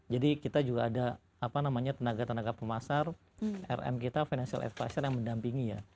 jadi kita juga ada apa namanya tenaga tenaga pemasar rm kita financial advisor yang mendampingi ya